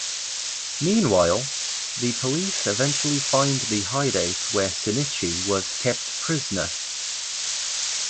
Meanwhile, the police eventually find the hideout where Shinichi was kept prisoner.